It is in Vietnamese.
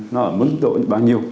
nó ở mức độ bao nhiêu